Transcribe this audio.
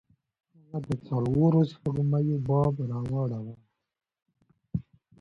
هغه د څلورو سپوږمیو باب راواړوه.